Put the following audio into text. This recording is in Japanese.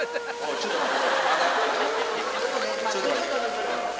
ちょっと待って。